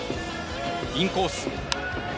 インコース。